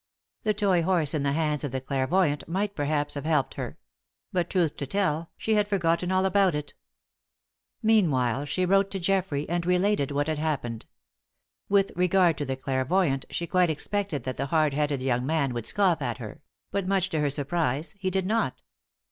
The toy horse in the hands of the clairvoyant might perhaps have helped her; but, truth to tell, she had forgotten all about it! Meanwhile she wrote to Geoffrey and related what had happened. With regard to the clairvoyant, she quite expected that the hard headed young man would scoff at her; but, much, to her surprise, he did not.